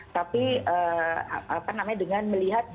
tapi dengan melihat bagaimana kondisi penyebaran dan penularan dari covid itu